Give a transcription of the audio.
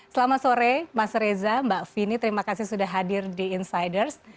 selamat sore mas reza mbak vini terima kasih sudah hadir di insiders